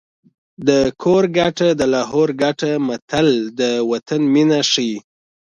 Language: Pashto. د کور ګټه د لاهور ګټه متل د وطن مینه ښيي